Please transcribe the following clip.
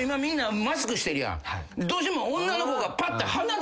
どうしても。